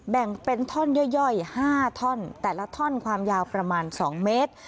แบ่งเป็นท่อนย่อย๕ท่อนแต่ละท่อนความยาวประมาณ๒เมตร